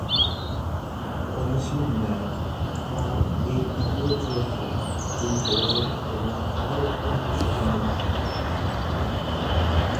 পলাশীর ন্যায় তাঁর এ দ্বিতীয় জুয়াখেলায় তিনি হেরে যান এবং তাও অত্যন্ত শোচনীয়ভাবে।